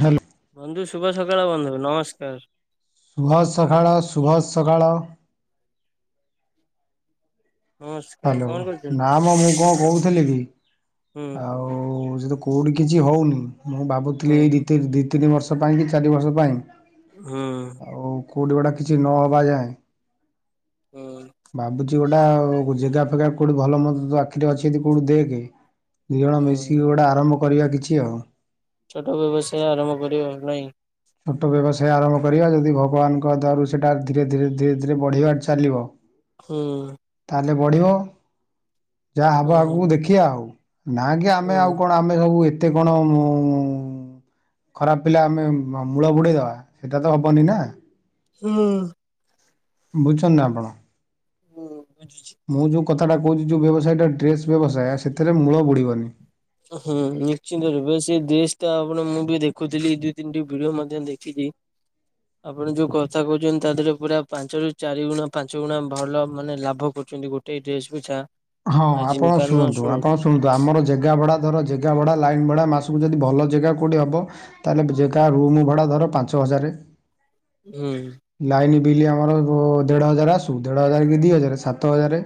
Hello. ବନ୍ଧୁ ଶୁଭ ସକାଳ ବନ୍ଧୁ ନମସ୍କାର। ଶୁଭ ସଖାଳ ଶୁଭ ସକାଳ। ନମସ୍କାର ହ୍ୟାଲୋ। କଣ ନା କରୁଛନ୍ତି? ମ ମୁଁ କଣ କହୁଥିଲି କି? ହୁଁ ଆଉ ସେ ତ କୋଉଠି କିଛି ହଉନି। ମୁଁ ଭାବୁଥିଲି ହୁଁ ଏଇ ଦି ତିନି ଦି ତିନି ବର୍ଷ ପାଇଁ କି ଚାରି ବର୍ଷ ପାଇଁ ହୁଁ ଆଉ କୋଉଠି ଗୁଡା କିଛି ନହବା ଯାଏଁ ହୁଁ ଭାବୁଚି ଗୋଟା ଆଉ ଯେଗା ଫେଗା କୋଉଠି ଭଲ ମନ୍ଦ ତ ଆଖିରେ ଅଛନ୍ତି କୋଉଠି ଦେଖେ ଦି ଜଣ ମିଶି ହୁଁ। ଗୋଟେ ଆରମ୍ କରିବା କିଛି ଆଉ। ଛୋଟ ବ୍ୟବସାୟ ଆରମ୍ଭ କରିବା ନାହିଁ? ଛୋଟ ବ୍ୟବସାୟ ଆରମ୍ଭ କରିବା ଯଦି ଭଗବାନଙ୍କ ଦ୍ୱାରୁ ସେଇଟା ଧୀରେ ଧୀରେ ଧୀରେ ଧୀରେ ବଢ଼ିବାରେ ଚାଲିବ। ହୁଁ। ତାହଲେ ବଢିବ ଯାହା ହୁଁ ହବ ଆଗକୁ ଦେଖିବା ଆଉ। ନା କି ଆମେ ହୁଁ ଆଉ କଣ ଆମେ ସବୁ ଏତେ କଣ ଉଁ ଖରାପ ପିଲା ଆମେ ମୂଳ ବୁଡେଇଦବା ସେଟା ତ ହବନି ନା। ହୁଁ। ବୁଝୁନ୍ତି ନା ଆପଣ ହୁଁ ବୁଝୁଛି କଥାଟା କହୁଛି ଯୋଉ ବ୍ୟବସାୟ ଟା ଡ୍ରେସ ବ୍ୟବସାୟ ସେଥିରେ ମୂଳ ବୁଡିବନି। ହୁଁ ନିଶ୍ଚିନ୍ତ ରିବସି ସେ ଡ୍ରେସ ଟା ଆପଣ ମୁଁ ବି ଦେଖୁଥିଲି ଦିଇ ତିନିଟି ଭିଡିଓ ମଧ୍ୟ ଦେଖି କି। ଆପଣ ଯୋଉ କଥା କହୁଛନ୍ତି, ତା ଦେହରେ ପୁରା ପାଞ୍ଚ ରୁ ଚାରି ଗୁଣା ପାଞ୍ଚ ଗୁଣା ଭଲ ମାନେ ଲାଭ କରୁ ଛନ୍ତି ଗୋଟେ ଡ୍ରେସ୍ ଛା ହଁ ଆପଣ ଶୁଣନ୍ତୁ ଆପଣ ଶୁଣନ୍ତୁ ଆମର ଜାଗା ଭଡା ଧର ଜାଗା ଭଡ଼ା ଲାଇନ୍ ଭଡ଼ା ମାସକୁ ଯଦି ଭଲ ଜାଗା କେଉଁଠି ହେବ ତାହେଲେ ଜାଗା ରୁମ୍ ଭଡ଼ା ଧର ପାଞ୍ଚ ହଜାରେ [inaudible] ହୁଁ। ବିଲ୍ ଆମର ଦେଢ଼ ହଜାର ଆସୁ ଦେଢ଼ ହଜାର କି ଦୁଇ ହଜାର ସାତ ହଜାରେ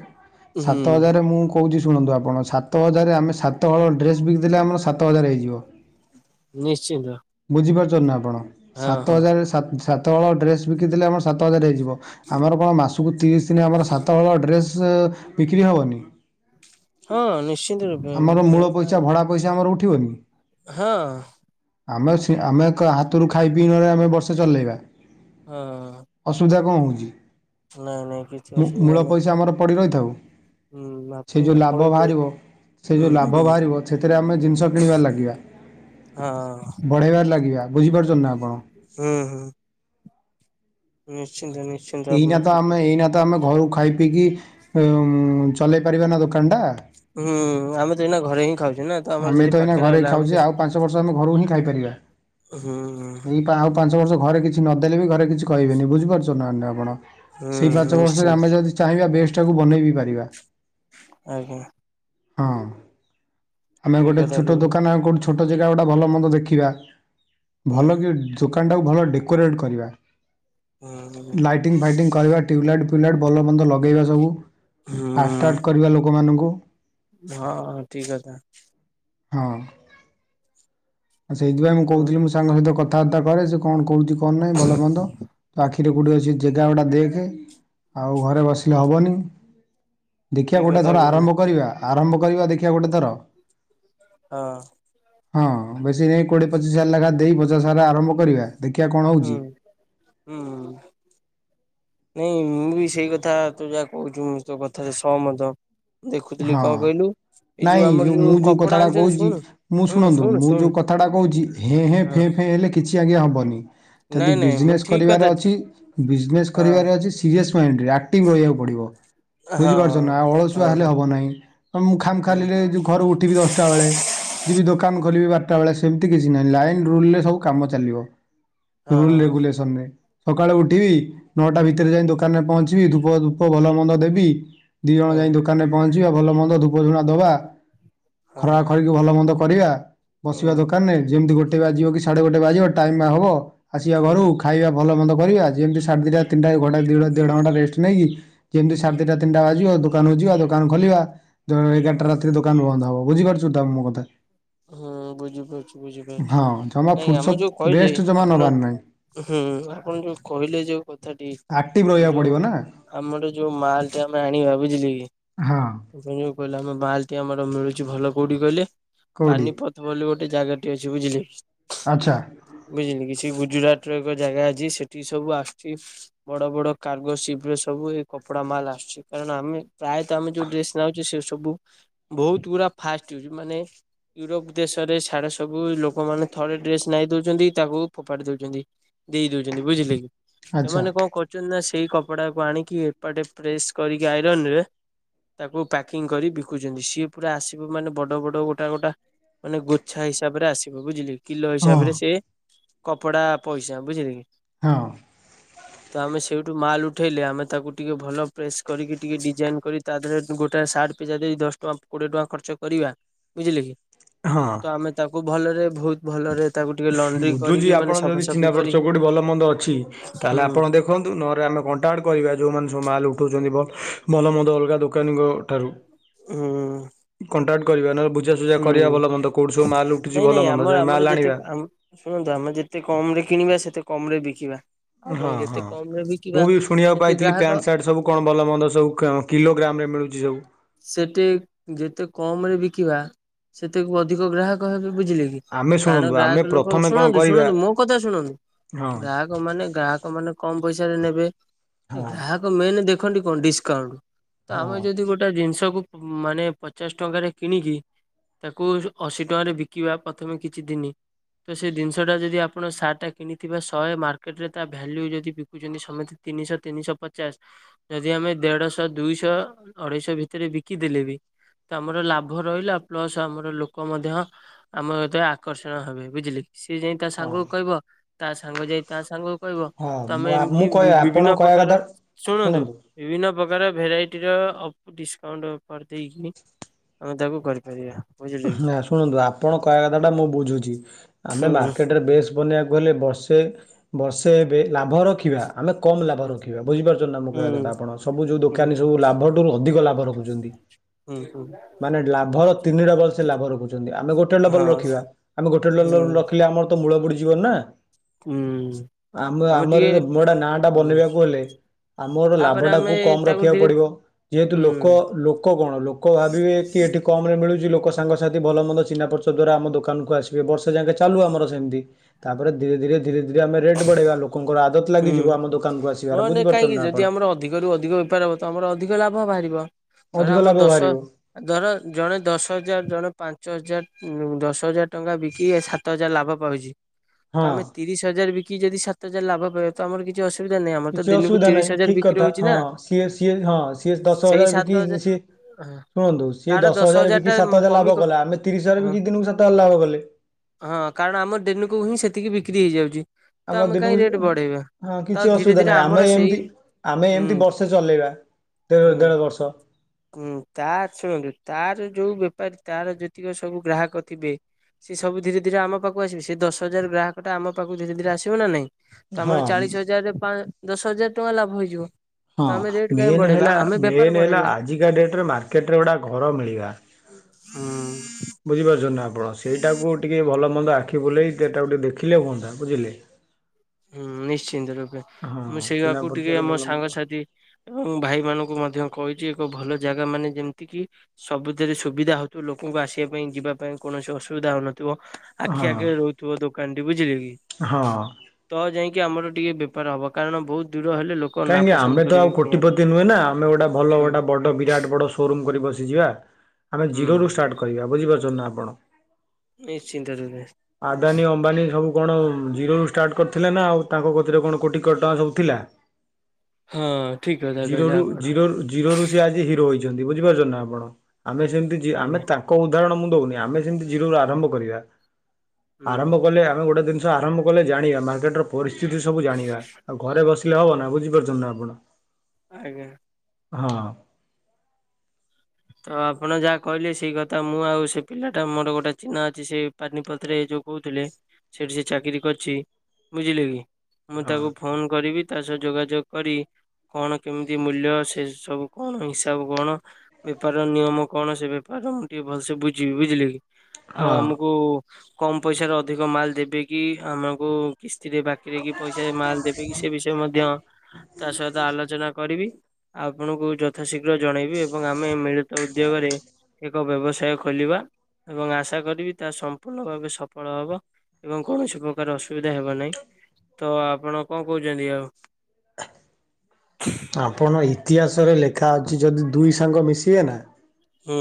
ହୁଁ। ଛଅ ହଜାରେ ମୁଁ କହୁଛି ଶୁଣନ୍ତୁ ଆପଣ ସାତ ହଜାରେ ସାତ ହଳ ଡ୍ରେସ୍ ବିକିଦେଲେ ଆମର ସାତ ହଜାର ହେଇଯିବ। ନିଶ୍ଚିନ୍ତ। ବୁଝିପାରୁଛନ୍ତି ଆପଣ ହଁ ସାତ ହଁ। ହଜାର ସାତ୍ ସାତ ହଳ ଡ୍ରେସ୍ ବିକିଦେଲେ ଆମର ସାତ ହଜାର ହେଇଯିବ, ଆମର କଣ ମାସକୁ ତିରିଶି ଦିନିଆ ଆମର ସାତ ହଳ ଡ୍ରେସେ ବିକ୍ରି ହବନି ହଁ ନିଶ୍ଚିନ୍ତ ରୂପେ ଆମର ବିକ୍ରି ମୂଳ ହବ ପଇସା କାହିଁକି ଭଡା ପଇସା ଆମର ଉଠିବନି। ହଁ। ଆମେ ଆମେ ହାତରୁ ଖାଇ ପିଇ ନଲେ ଆମେ ବର୍ଷେ ଚଲେଇବା। ହଁ। ଅସୁବିଧା କଣ ହେଉଛି ନାଇଁ ନାଇଁ କିଛି ଅସୁବିଧା ନାହିଁ। ଆଉ। ହୁଁ ଆପଣକୁ କହିଲେ। ସେ ଯଉ ହୁଁ ଲାଭ ହୁଁ ବାହାରିବ ସେଥିରେ ଆମେ ଜିନିଷ କିଣିବାରେ ଲାଗିବା। ହଁ ବଢେଇବାରେ ଲାଗିବା ବୁଝିପାରୁଛନ୍ତି ନା ଆପଣ ହୁଁ ହୁଁ। ନିଶ୍ଚିନ୍ତ ନି ଏଇନା ତ ଆମେ ଏଇନା ତ ଆମେ ଘରକୁ ଖାଇ ପିଇକି ଚଲେଇ ପାରିବା ନା ଦୋକାନ ଟା ହୁଁ ଆମେ ତ ଏଇନା ଘରେ ହିଁ ଖାଉଛୁ। ନା ଆମର ଆମେ ଯଦି ତ ଏଇନା ପାଖରେ ଘରେ ହେଲା ଆମର ଖାଉଛେ ଆଉ ପାଞ୍ଚ ବର୍ଷ ଆମେ ଘରୁ ହିଁ ଖାଇପାରିବା ହୁଁ ଏଇ ପାଞ୍ଚ ବର୍ଷ ଘରେ କିଛି ନଦେଲେ ବି ଘରେ କିଛିହିବେନି ବୁଝିପାରୁଛ ନାହେଲେ ଆପଣ? ହୁଁ ସେଇ ପାଞ୍ଚ ବର୍ଷରେ ନିଶ୍ଚିନ୍ତ ଆମେ ଯଦି ଚାହିଁବା ବେଶ ଟାକୁ ବନେଇ ବିି ପାରିବା। ଆଜ୍ଞା। ହଁ ଆମେ ଠିକ ଗୋଟେ କଥା ଛୋଟ କହିଲେ। ଦୋକାନ କରୁଛୁ। ଛୋଟ ଜାଗା ଗୋଟା ଭଲ ମନ୍ଦ ଦେଖିବା ହୁଁ ଭଲ କି ଦୋକାନଟାକୁ ଭଲ ଡେକୋରେଟ୍ କରିବା। ହୁଁ ଲାଇଟିଂ ଫାଇଟିଂ କରିବା ଟ୍ୟୁବଲାଇଟ ଫ୍ୟୁବଲାଇଟ୍ ଭଲ ମନ୍ଦ ଲଗେଇବା ସବୁ ହୁଁ ଆଟାଟ କରିବା ଲୋକମାନଙ୍କୁ ହଁ ଠିକ୍ କଥା। ହଁ। ଆ ସେଇଥିପାଇଁ ମୁଁ ହୁଁ କହୁଥିଲି, ମୁଁ ସାଙ୍ଗ ସହିତ କଥାବାର୍ତ୍ତା କରେ ସେ କଣ କହୁଛି କଣ ନାହିଁ ଭଲ ମନ୍ଦ ସେଇଠି କୋଉଠିଅଛି ଜାଗା ଗୁଡ଼ା ଦେଖେ ଆଉ ଘରେ ବସିଲେ ହବନି। ଦେଖିବା ଠିକ ଗୋଟେ କଥା ଥର କହିଲେ ଆରମ୍ଭ କରିବା ଆରମ୍ଭ କରିବା ଦେଖିବା ଗୋଟେ ଥର ହଁ। ହଁ ବେଶୀ ନାଇ କୋଡିଏ ପଚିଶ ହଜାର ଲେଖା ଦେଇ ପଚାଶ ହଜାର ଆରମ୍ଭ କରିବା। ଦେଖିବା କଣ ହେଉଛି ହୁଁ ହୁଁ। ନାଇଁ ମୁଁ ବି ସେଇ କଥା ତୁ ଯାହା କହୁଛୁ ମୁ ତୋ କଥାରେ ସହ ମତ ଦେଖୁଥିଲି କଣ ହଁ କହିଲୁ? ଏଇ ନାଇଁ ଆମର ଯୋଉ ମୁଁ ଯୋଉ କପଡା କଥାଟା ଆଣୁଛନ୍ତି କହୁଛି ଶୁଣୁ ମୁଁ ଶୁଣୁ ଶୁଣନ୍ତୁ ଶୁଣୁ ମୁଁ ଶୁଣୁ ଯୋଉ କଥାଟା କହୁଛି ହେ ହେ ହଁ ଫେ ଫେ ହେଲେ କିଛି ଆଜ୍ଞା ହବନି ଯଦି ନାଇଁ ନାଇଁ ମୁଁ ବିଜିନେସ୍ ଠିକ କଥା କରିବାର ଠିକ ଅଛି ବିଜିନେସ୍ କରିବାର ଅଛି ସିରି ଆକ୍ଟିଂ କରିବାକୁ ପଡିବ ହଁ ବୁଝିପାରୁଚ ନା ହଁ ଅଳସୁଆ ହେଲେ ହବନି। ତ ମୁଁ ଖାମ୍ ହଁ ହୁଁ ଖାଲି ରେ ଯୋଉ ଘରୁ ଉଠିବି ଦଶଟା ବେଳେ। ଯିବି ଦୋକାନ ଖୋଲିବି ବାର ଟା ବେଳେ ସେମିତି କିଛି ନାହିଁ ଲାଇନ୍ ରୁଲ୍ ରେ ହୁଁ ସବୁ କାମ ଚାଲିବ। ହଁ ରୁଲ୍ ରେଗୁଲେସନ୍ ରେ। ସକାଳୁ ଉଠିବି ନଅଟା ଭିତରେ ଯାଇକି ଦୋକାନରେ ପହଞ୍ଚିବି ଧୂବ ଧୂପ ଭଲ ମନ୍ଦ ଦେବି। ଦି ଜଣ ହଁ ଯାଇକି ଦୋକାନ ରେ ପହଞ୍ଚିବା ଭଲ ମନ୍ଦ ଧୂପ ଝୁଣା ଦବା। ଖରକା ହଁ ଖରିକି ଭଲ ମନ୍ଦ କରିବା ବସିବା ହୁଁ ଦୋକାନ୍ ରେ ଯେମିତି ଗୋଟେ ଗୋଟେ ବାଜିବ କି ସାଢ଼େ ଗୋଟେ ବାଜିବ ଟାଇମ୍ ବା ହବ ଆସିବା ହୁଁ ଘରୁ ଖାଇବା ଭଲ ମନ୍ଦ କରିବା। ଯେମିତି ସାଢ଼େ ଦି ହୁଁ ଟା ତିିନି ଟା ଏ ଘଣ୍ଟାଏ ଦେଢ଼ ଘଣ୍ଟା ରେଷ୍ଟ୍ ନେଇକି ଯେମିତି ହୁଁ ସାଢ଼େ ଦି ଟା ତିନ୍ ଟା ବାଜିବ ଦୋକାନକୁ ଯିବା ଦୋ ଦୋକାନ ଖୋଲିବା ଯୋଉ ଏଗାର ଟା ହୁଁ ରାତିରେ ଦୋକାନ ବନ୍ଦ୍ ହବ ବୁଝିପାରୁଛୁ ତ ମୋ କଥା? ହୁଁ ବୁଝିପାରୁଚି ବୁଝିପାରୁଚି, ହଁ ଜମା ନାଇଁ ଫୁର୍ସତ ଆମେ ଯୋଉ କହିଲେ ରେଷ୍ଟ ଜମା ଆପଣ ନେବାର ନାହିଁ ହୁଁ ଆପଣ ଯୋଉ କହିଲେ ଯୋଉ କଥାଟି ଆକ୍ଟିଭ୍ ରହିବାକୁ ପଡ଼ିବ ଯୋଉ ନା ଆମର ଯୋଉ ମାଲ୍ ଟେ ଆମେ ଆଣିବା ବୁଝିଲେ କି? ହଁ ଆପଣ ଯୋଉ କହିଲେ ଆମ ମାଲ୍ ଟି ଆମର ମିଳୁଛି ଭଲ କୋଉଠି କହିଲେ କୋଉଠି ପାନିପଥ ବୋଲି ଗୋଟେ ଗୋଟେ ଜାଗା ଟେ ଅଛି ବୁଝିଲେ, ଆଚ୍ଛା ବୁଝିଲେ କି? ଗୁଜୁରାଟ୍ ର ଏକ ଜାଗା ଅଛି ସେଠି ସବୁ ଆସୁଛି ବଡ ବଡ଼ କରୋଗୋ ସିପ ରେ ସବୁ ଏଇ କପଡ଼ା ମାଲ୍ ଆସୁଛି, କାରଣ ଆମେ ପ୍ରାୟତଃ ଆମେ ଯୋଉ ଡ୍ରେସ୍ ନାଉଛୁ ସେ ସବୁ ବୋହୁତ୍ ଗୁଡ଼ା ଫାଷ୍ଟ ୟୁଜ୍ ମାନେ ୟୁରୋପ୍ ଦେଶରେ ସିଆଡେ ସବୁ ଲୋକମାନେ ଥରେ ଡ୍ରେସ୍ ନାଇ ଦୋଉଚନ୍ତି। ତାକୁ ଫୋଫାଡ଼ି ଦୋଉଚନ୍ତି ଦେଇଦୌଚନ୍ତି ବୁଝିଲେକି? ଆଚ୍ଛା ସେମାନେ କଣ କରୁଛନ୍ତି ନା ସେଇ କପଡ଼ାକୁ ଆଣିକି ଏପଟେ ଫ୍ରେସ୍ କରିକି ଆଇରନ୍ ରେ ତାକୁ ପ୍ୟାକିଂ କରିକି ବିକୁଚନ୍ତି ସିଏ ପୁରା ଆସିବ ମାନେ ବଡ଼ ବଡ଼ ଗୋଟା ଗୋଟା। ମାନେ ଗୋଛା ହିସାବରେ ଆସିବ ବୁଝିଲେ? କିଲୋ ହଁ ହିସାବରେ ସେ କପଡ଼ା ପଇସା ବୁଝିଲେ କି? ହଁ। ତ ଆମେ ସେଉଠୁ ମାଲ୍ ଉଠେଇଲେ ଆମେ ତାକୁ ଟିକେ ଭଲ ପ୍ରେସ୍ କରିକି ଟିକେ ଡିଜାଇନ୍ କରିକି ତା ଦେହରେ ଗୋଟେ ତା ସାର୍ଟ ପିଛା ଦେଇ ଦଶ ଟଙ୍କା କୋଡିଏ ଟଙ୍କା ଖର୍ଚ୍ଚ କରିବା ବୁଝିଲେ କି? ହଁ ତ ଆମେ ତାକୁ ଭଲରେ ଭୋହୁତ୍ ଭଲରେ ତାକୁ ଟିକେ ଲଣ୍ଡ୍ରି ବୁଝୁଚି କରିକି ମାନେ ଆପଣ ଯଦି ଚିହ୍ନା ସଫାସଫି କରି ପରିଚୟ କୋଉଠି ଭଲ ମନ୍ଦ ଅଛି ତାହେଲେ ହୁଁ ଆପଣ ଦେଖନ୍ତୁ, ନହେଲେ ଆମେ କଣ୍ ଟାଏ କରିବା ଯେଉଁମାନେ ସବୁ ମାଲ୍ ଉଠୋଉଚନ୍ତି ବ ଭଲ ମନ୍ଦ ଅଲ୍ଗା ଦୋକାନୀଙ୍କ ଠାରୁ ହୁଁ କଣ୍ଟାକ୍ଟ କରିବା, ନ ବୁଝାସୁଝା କରିବା ଭଲ ମନ୍ଦ କେଉଠୁ ସବୁ ମାଲ୍ ଉଠୁଚି ଭଲମନ୍ଦ। କେବଳ ଆମର ଯେତିକି ଆମ୍ ଶୁଣନ୍ତୁ ଆମେ ଯେତିକି କମ୍ ରେ କିଣିବା ସେତେ କମ୍ ରେ ବିକିବା। ଆଉ ହଁ କଣ ଗେତେ ହଁ କମ୍ ରେ ମୁଁ ବିକିବା ବି ଶୁଣିବାକୁ ସେତେ ପାଇଥିଲି ଗ୍ରାହକ ପ୍ୟାଣ୍ଟ୍ ସାର୍ଟ ସବୁ କଣ ଭଲ ମନ୍ଦ ସବୁ କାଆଁ କିଲୋଗ୍ରାମ୍ ରେ ମିଳୁଛି ସବୁ। ସେଟି ଯେତେ କମ୍ ରେ ବିକିବା ସେତେକୁ ଅଧିକ ଗ୍ରାହକ ହେବେ। ବୁଝିଲେ କି? ଆମେ କାରଣ ଶୁଣନ୍ତୁ ଆମେ ଗ୍ରାହକ ଲୋକଙ୍କୁ ପ୍ରଥମେ କଣ ଶୁଣନ୍ତୁ କରିବା ଶୁଣନ୍ତୁ ମୋ କଥା ଶୁଣନ୍ତୁ। ହଁ ଗ୍ରାହକ ମାନେ ଗ୍ରାହକ ମାନେ କମ୍ ପଇସାରେ ନେବେ ହଁ ଗ୍ରାହକ ମେନ୍ ଦେଖନ୍ତି କଣ ଡିସ୍ କାଉଣ୍ଟ୍ ତ ହଁ ଆମେ ଯଦି ଗୋଟେ ଜିନିଷକୁ ମାନେ ପଚାଶ ଟଙ୍କାରେ କିଣି କି ତାକୁ ଉ ଯୋଉ ଅଶୀ ଟଙ୍କାରେ ବିକିବା ପ୍ରଥମେ କିଛି ଦିନ୍। ତ ସେ ଜିନିଷଟା ଯଦି ଆପଣ ସାର୍ଟ ଟା କିଣିଥିବା ଶହେ ମାର୍କେଟ୍ ରେ ତା ଭ୍ୟାଲୁ ହେଇଯାଉଚି ବିକୁଛନ୍ତି ସମତେ ତିନିଶ ତିନିଶ ପଚାଶ ଯଦି ଆମେ ଦେଢ଼ଶ ଦୁଇଶ ଅଢ଼େଇଶ ଭିତରେ ବିକିଦେଲେ ବି ତ ଆମର ଲାଭ ରହିଲା ପ୍ଲସ୍ ଆମର ଲୋକ ମଧ୍ୟ ଆମ ଏତେ ଆକର୍ଷଣ ହେବେ ବୁଝିଲେ କି? ସିଏ ଯାଇଁକି ତା ହଁ ସାଙ୍ଗକୁ କହିବ ତା ସାଙ୍ଗ ଯାଇ ତା ସାଙ୍ଗକୁ କହିବ ହଁ ତମେ ମୁଁ ଏମିତି ମୁଁ ବି କହିବା ଆପଣ ବିଭିନ୍ନ କହିବା କଥା ପ୍ରକାର ଶୁଣନ୍ତୁ ବିଭିନ୍ନ ସବୁପ୍ରକାର ଭେରାଇଟିର ଅଫ୍ ଡିସକାଉଣ୍ଟ ଅଫର୍ ଦେଇକି ଆମେ ତାକୁ କରିପାରିବା। ବୁଝିଲେ କି ନା ଶୁଣନ୍ତୁ ଆପଣ କହିଆ କଥାଟା ମୁଁ ବୁଝୁଛି। ଆମେ ହୁଁ ମାର୍କେଟରେ ବେସ୍ ବନେଇବାକୁ ହେଲେ ସେ ବର୍ଷେ ଏବେ ଲାଭ ରଖିବା ଆମେ କମ୍ ଲାଭ ହୁଁ ରଖିବା ବୁଝିପାରୁଛନ୍ତି ନା ମୋ କହିବା ହୁଁ କଥାଟା ଆପଣ। ସବୁ ଯୋଉ ହୁଁ ଦୋକାନୀ ସବୁ ଲାଭଠାରୁ ଅଧିକ ଲାଭ ରଖୁଛନ୍ତି ହୁଁ। ହୁଁ ମାନେ ଲାଭର ତିନି ଡବଲ ସେ ଲାଭ ରଖୁଛନ୍ତି, ଆମେ ଗୋଟେ ଡ଼ବଲ ରଖିବା, ହଁ ଆମେ ଗୋଟେ ଡ-ଲ-ଲ-ଡ଼ବଲ ହୁଁ ରଖିଲେ ଆମର ତ ମୂଳ ବୁଡିଯିବନି ନା। ହୁଁ ଆମ ଆମେ ଟିକେ ଆମର ମୋ ଡା ନାଁଟା ହୁଁ ବନେଇବାକୁ ହେଲେ ଆମର ତାପରେ ଆମେ ଲାଭଟାକୁ କମ ତାକୁ ରଖିବାକୁ ଧୀରେ ପଡ଼ିବ, ଯେହେତୁ ହୁଁ ଲୋକ ଲୋକ କଣ ଲୋକ ଭାବିବେ କି କି ଏଠି କମରେ ମିଳୁଛି ଲୋକ ସାଙ୍ଗସାଥି ଭଲମନ୍ଦ ଚିହ୍ନା ପରିଚୟ ଦ୍ୱାରା ଆମ ଦୋକାନକୁ ଆସିବେ ବର୍ଷେ ଯାଙ୍କେ ଚାଲୁ ଆମର ସେମତି, ତାପରେ ଧୀରେ ଧୀରେ ଧୀରେ ଧୀରେ ଆମେ ରେଟ୍ ବଢ଼େଇବା ଲୋକଙ୍କର ଆଦତ ଲାଗିଯିବ ହୁଁ ଆମ ଦୋକାନକୁ ଆସିବାର, ନହେଲେ ବୁଝିପାରୁଛନ୍ତି କାହିଁକି ନା ଯଦି ଆପଣ? ଆମର ଅଧିକରୁ ଅଧିକ ବେପାର ହବ ତମର ଅଧିକ ଲାଭ ବାହାରିବ। ଧର ଅଧିକ ଆମ ଲାଭ ଦଶ ବାହାରିବ ଧର ଜଣେ ଦଶ ହଜାର, ଜଣେ ପାଞ୍ଚ ହଜାର ଉମ୍ ଦଶ ହଜାର ଟଙ୍କା ବିକି ସାତ ହଜାର ଲାଭ ପାଉଛି, ତ ହଁ। ଆମେ ତିରିଶ ହଜାର ବିକି କି ଯଦି ସାତ ହଜାର ଲାଭ ପାଇବା, ତ ଆମ କିଛି ଅସୁ କିଛି ଅସୁବିଧା ନାହିଁ ଠିକ କଥା। ହଁ ନା। ସିଏ ସିଏ ହଁ ସିଏ ଦଶ ସେଇ ହଜାର ସାତ ବିକିକି ସିଏ ଶୁଣନ୍ତୁ, ସିଏ ତାର ଦଶ ହଜାର ଟା ବିକି ସାତ ହଜାର କମି ଲାଭ କଲା, ଆମେ ତିରିଶ ହଜାର ହଁ ବିକି ଦିନକୁ ସାତ ହଜାର ଲାଭ କଲେ। ହଁ କାରଣ ଆମର ଦିନୁକୁୁ ହିଁ ସେତିକି ବିକ୍ରି ହେଇଯାଉଛି। ତ ଆମ ଆମେ କାହିଁ ଦିନକୁ ରେଟ୍ ବଢେଇବା। ଯଦି ହଁ ତ କିଛି ଧୀରେ ଅସୁବିଧା ଧୀରେ ନାହିଁ। ଆମେ ଆମର ସେଇ ଏମତି ଆମେ ଏମତି ଉଁ ବର୍ଷେ ଚଲେଇବା, ଦେଢ଼ ଦେଢ଼ ବର୍ଷ ହୁଁ ତା ଶୁଣନ୍ତୁ, ତାର ଯୋଉ ବେପାରୀ ତାର ଯେତିକ ସବୁ ଗ୍ରାହକ ଥିବେ ସିଏ ସବୁ ଧୀରେ ଧୀରେ ଆମ ପାଖକୁ ଆସିବେ, ସେ ଦଶ ହଜାର ଗ୍ରାହକଟା ଆମ ପାଖକୁ ଧୀରେ ଧୀରେ ଆସି ସିବେ ନା ନାଇଁ, ତ ହଁ। ଆମର ଚାଳିଶ ହଜାରରେ ପାଁ ଦଶ ହଜାର ଟଙ୍କା ଲାଭ ହେଇଯିବ। ତ ହଁ ଆମେ ରେଟ୍ କାହିଁ ଭେନ ବଢେଇବା ହେଲା ଆମେ ବେପାର ମେନ୍ ହେଲା ବଢେଇବା। ଆଜିକା ଡ଼େଟରେ ମାର୍କେଟରେ ଗୋଟା ଘର ମିଳିବା। ହଁ। ବୁଝିପାରୁଛନ୍ତି ନା ଆପଣ? ସେଇଟାକୁ ଟିକେ ଭଲ ମନ୍ଦ ଆଖି ବୁଲେଇ ସେଟାକୁ ଟିକେ ଦେଖ ଦେଖିଲେ ହୁଅନ୍ତା ବୁଝିଲେ। ହୁଁ। ନିଶ୍ଚିନ୍ତ ରୂପେ, ହଁ ମୁଁ ଚିହ୍ନା ସେଇଆକୁ ଟିକେ ପରିଚୟରେ ଆମ ଭଲ ମନ୍ଦ ସାଙ୍ଗସାଥି ଏବଂ ଭାଇମାନଙ୍କୁ ମଧ୍ୟ କହିଛି ଏକ ଭଲ ଜାଗା ମାନେ ଯେମତି କିି, ସବୁଥିରେ ସୁବିଧା ହଉଥୁବ ଲୋକଙ୍କୁ ଆସିବା ପାଇଁ ଯିବା ପାଇଁ କୌଣସି ଅସୁବିଧା ହଉନ ଥିବ, ଆଖି ହଁ ଆଗେରେ ରହୁଥିବ ଦୋକାନଟି ବୁଝିଲେ କି? ହଁ। ଯାଇଁକି ଆମର ଟିକେ ବେପାର ହବ। କାରଣ ବହୁତ ଦୂର ହେଲେ ଲୋକ କାହିଁକି ନାପସନ୍ଦ ଆମେ ତ କରିବେ ଆଉ କିଣିବା ପାଇଁ କୋଟିପତି ନୁହେଁ ନା, ଆମେ ଗୋଟେ ଭଲ ହୁଁ। ଗୋଟେ ବଡ଼ ବିରାଟ ବଡ଼ ସୋରୁମ କରି ବସିଯିବା। ଆମେ ହୁଁ ଜିରୋରୁ ଷ୍ଟାର୍ଟ କରିବା ବୁଝିପାରୁଛନ୍ତି ନା ଆପଣ? ନିଶ୍ଚିନ୍ତ ରୂପେ ଆଦାନୀ, ଅମ୍ବାନୀ ସବୁ କଣ ଜିରୋରୁୁ ଷ୍ଟାର୍ଟ କରିଥିଲେ ନା ଆଉ, ତାଙ୍କ କତିରେ କଣ କୋଟି କୋଟି ଟଙ୍କା ସବୁ ଥିଲା? ହଁ ଠିକ କଥା କହିଲେ ଜିରୋରୁ ଆପଣ ଜିରୋରୁ ଜିରୋରୁ ସିଏ ଆଜି ହିରୋ ହେଇଚ ଚନ୍ତି ବୁଝିପାରୁଛନ୍ତି ନା ଆପଣ? ଆମେ ସେମତି ଜି ଆମେ ଆଜ୍ଞା। ତାଙ୍କ ଉଦାହରଣ ମୁଁ ଦଉନି, ଆମେ ସେମତି ଜିରୋ ରୁ ଆରମ୍ଭ କରିବା। ହୁଁ ଆରମ୍ଭ କଲେ ଆମେ ଗୋଟେ ଦିନ ନିଷ ଆରମ୍ଭ କଲେ ଜାଣିବା। ମାର୍କେଟର ପରିସ୍ଥିତି ସବୁ ଜାଣିବା, ଆଉ ଘରେ ବସିଲେ ହବ ହୁଁ ନା ବୁଝି ଲେ ନା ଆପଣ? ଆଜ୍ଞା। ହଁ। ଆଉ ଆପଣ ଯାହା କହିଲେ ସେଇ କଥା, ମୁଁ ଆଉ ସେ ପିଲାଟା ମୋର ଗୋଟେ ଚିହ୍ନା ଅଛି ସେଇ ପାନିପଥରେ ଏଇ ଯୋଉ କହୁଥିଲି ଲି, ସେଠି ସେ ଚାକିରୀ କରିଛି ବୁଝିଲେ କି? ମୁଁ ହଁ ତାକୁ ଫୋନ କରିବି ତା ସହ ଯୋଗାଯୋଗ କରି, କଣ କେମିତି ମୂଲ୍ୟ ସେ ସବୁ କଣ ହିସାବ କଣ ବେପାରର ନିୟମ କଣ, ସେ ବେପାରର ମୁଁ ଟିକେ ଭଲସେ ବୁଝିବି ବୁଝିଲେ କି? ଆଉ ହଁ। ଆମକୁ କମ ପଇସାରେ ଅଧିକ ମାଲ ଦେବେ କି, ଆମକୁ କିସ୍ କିସ୍ତିରେ ବାକିରେ କି ପଇସାରେ ମାଲ ଦେବେ କିି, ସେ ବିଷୟ ମଧ୍ୟ ତା ସହିତ ଆଲୋଚନା କରିବି ଆପଣଙ୍କୁ ଯଥାଶୀଘ୍ର ଜଣେଇବି ଏବଂ ଆମେ ମିଳିତ ଉଦ୍ୟୋଗରେ ଏକ ବ୍ୟବସାୟ ଖୋଲିବା। ଏବଂ ଆଶା କରିବି ତାହା ସମ୍ପୂର୍ଣ୍ଣ ଭାବେ ସଫଳ ହବ ଏବଂ କୌଣସି ପ୍ରକାର ଅସୁବିଧା ହେବ ନାହିଁ। ତ ଆପଣ କଣ କହୁଛନ୍ତି ଆଉ? ଆପଣ ଇତିହାସ ଲେଖା ଅଛି ଯଦି ଦୁଇ ସାଙ୍ଗ ମିଶିବେ ନା! ହୁଁ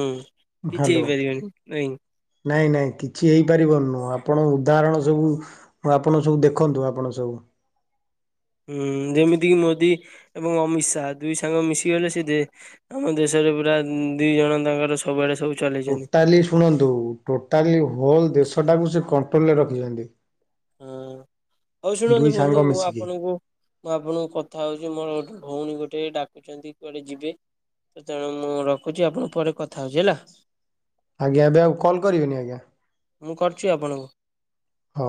କିଛି ହ୍ୟାଲୋ ହେଇପାରିବନି ନାଇଁ ନାଇଁ ନାଇଁ କିଛି ହେଇପାରିବନନୁଁ ଆପଣ ଉଦାହରଣ ସବୁ ଆପଣ ସବୁ ଦେଖନ୍ତୁ ଆପଣ ସବୁ। ? ହୁଁ ଯେମିତିକି ମୋଦି ଏବଂ ଅମିତ ଶାହା ଦୁଇ ସାଙ୍ଗ ମିଶିଗଲେ ସେ ଆମ ଦେଶରେ! ପୁରା ଦି ଜଣ ତାଙ୍କର ସବୁଆଡେ ସବୁ ଚଲେଇଛନ୍ତି। ଟୋଟାଲି ଶୁଣନ୍ତୁ ଟୋଟାଲି ହୋଲ ଦେଶଟାକୁ ସେ କଣ୍ଟ୍ରୋଲରେ ରଖିଛନ୍ତି। ହଁ ହଉ ଶୁଣନ୍ତୁ ଦୁଇ ବନ୍ଧୁ ସାଙ୍ଗ ମୁଁ ମିଶିକି ଆପଣଙ୍କୁ ମୁଁ ଆପଣଙ୍କୁ କଥା ହଉଛି ମୋର ଗୋଠୁ ଭଉଣୀ ଗୋଟେ ଡାକୁଛନ୍ତି କୁଆଡେ ଯିବେ? ତ ତେଣୁ ମୁଁ ରଖୁଛି ଆପଣଙ୍କୁ ପରେ କଥା ହଉଛି ହେଲା। ଆଜ୍ଞା ଏବେ ଆଉ କଲ୍ କରିବିନି ଆଜ୍ଞା। ମୁଁ କରୁଛି ଆପଣଙ୍କୁ। ହଁ!